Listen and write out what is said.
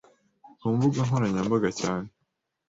ku mbuga nkoranyambaga cyane